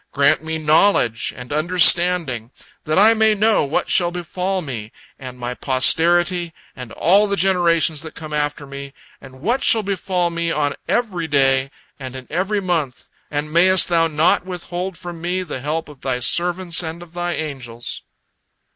Grant me knowledge and understanding, that I may know what shall befall me, and my posterity, and all the generations that come after me, and what shall befall me on every day and in every month, and mayest Thou not withhold from me the help of Thy servants and of Thy angels."